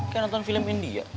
kayak nonton film india